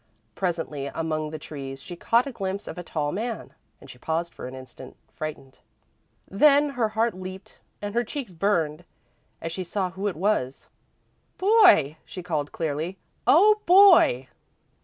Presently, among the trees, she caught a glimpse of a tall man, and she paused for an instant, frightened. Then her heart leaped and her cheeks burned, as she saw who it was. "Boy!" she called, clearly. "Oh, Boy!"